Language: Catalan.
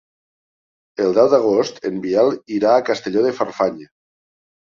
El deu d'agost en Biel irà a Castelló de Farfanya.